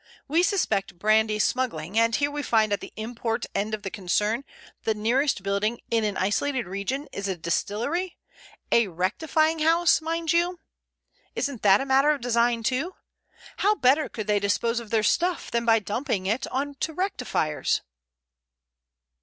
We suspect brandy smuggling, and here we find at the import end of the concern the nearest building in an isolated region is a distillery—a rectifying house, mind you! Isn't that a matter of design too? How better could they dispose of their stuff than by dumping it on to rectifiers?"